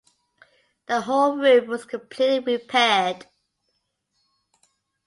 The whole roof was completely repaired.